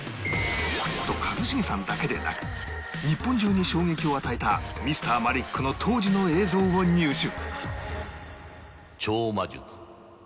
と一茂さんだけでなく日本中に衝撃を与えた Ｍｒ． マリックの当時の映像を入手